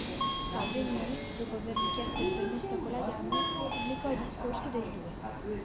Salvemini, dopo averne chiesto il permesso a Colajanni, pubblicò i discorsi dei due.